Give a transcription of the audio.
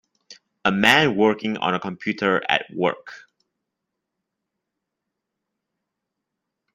A man working on a computer at work.